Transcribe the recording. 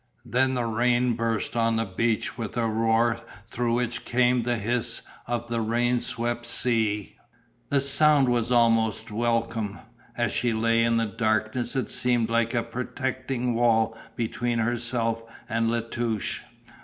Then the rain burst on the beach with a roar through which came the hiss of the rain swept sea. The sound was almost welcome. As she lay in the darkness it seemed like a protecting wall between herself and La Touche.